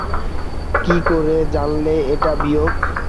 কী করে জানলে এটা বিজোড়?